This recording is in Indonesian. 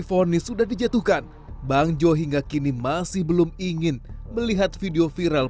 fonis sudah dijatuhkan bang jo hingga kini masih belum ingin melihat video viral